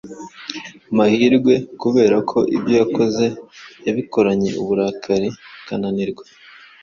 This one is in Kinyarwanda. mahirwe kubera ko ibyo yakoze yabikoranye uburakari akananirwa.